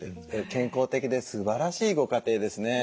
健康的ですばらしいご家庭ですね。